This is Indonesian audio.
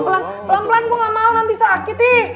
pelan pelan gua gak mau nanti sakit nih